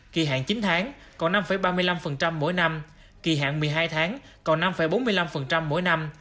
kỳ hạn chín tháng còn năm ba mươi năm mỗi năm kỳ hạn một mươi hai tháng còn năm bốn mươi năm mỗi năm